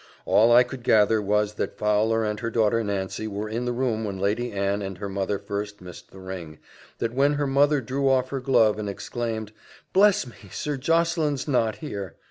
All I could gather was, that Fowler and her daughter Nancy were in the room when Lady Anne and her mother first missed the ring that when her mother drew off her glove, and exclaimed, "Bless me, Sir Josseline's not here!"